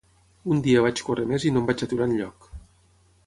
Un dia vaig córrer més i no em vaig aturar enlloc.